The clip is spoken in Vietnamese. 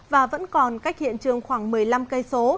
và vẫn còn cách hiện trường khoảng một mươi năm km